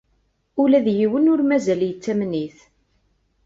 Ula d yiwen ur mazal yettamen-it.